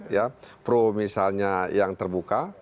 ya pro misalnya yang terbuka